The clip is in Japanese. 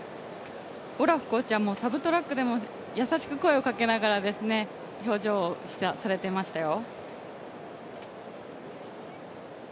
オラフコーチではサブトラックでも優しく声をかけながらの表情をしてましたよ。